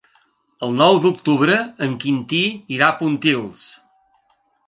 El nou d'octubre en Quintí irà a Pontils.